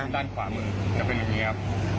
ด้านขวามือจะเป็นอย่างนี้ครับ